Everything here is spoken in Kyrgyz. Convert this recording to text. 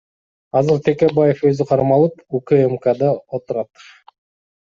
Азыр Текебаев өзү кармалып, УКМКда отурат.